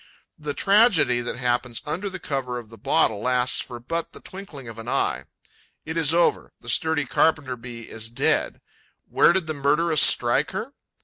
The tragedy that happens under the cover of the bottle lasts for but the twinkling of an eye. It is over: the sturdy Carpenter bee is dead. Where did the murderess strike her?